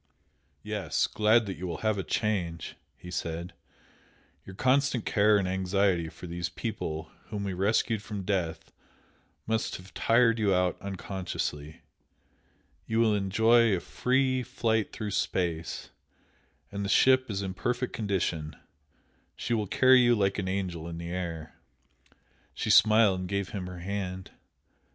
"Yes! glad that you will have a change" he said "Your constant care and anxiety for these people whom we rescued from death must have tired you out unconsciously. You will enjoy a free flight through space, and the ship is in perfect condition; she will carry you like an angel in the air!" She smiled and gave him her hand.